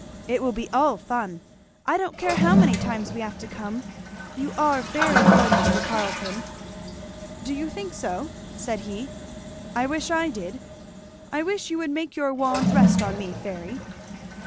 "It will be all fun. I don't care how many times we have to come. You are very good, Mr. Carleton." "Do you think so?" said he. "I wish I did. I wish you would make your wand rest on me, Fairy."